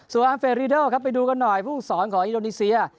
ครับสวัสดีครับไปดูกันหน่อยผู้สอนของอินโดนีเซีย